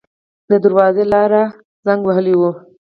د دروازې لاک زنګ وهلی و.